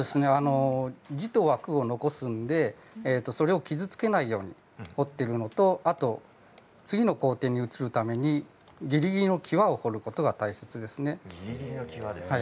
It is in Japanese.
字と枠を残すのでそれを傷つけないように彫っているのと次の工程に移るためにぎりぎりの際を彫ることが大切ですね。